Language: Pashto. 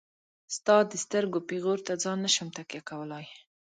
ستا د سترګو پيغور ته ځان نشم تکيه کولاي.